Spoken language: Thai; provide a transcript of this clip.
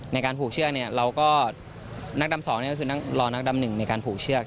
ในการผูกเชือกนักดำสองก็คือรอนักดำหนึ่งในการผูกเชือก